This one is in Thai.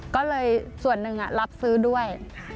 ก็เลยส่วนหนึ่งรับซื้อด้วย